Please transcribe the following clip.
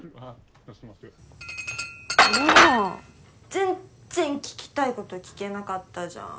全然聞きたいこと聞けなかったじゃん。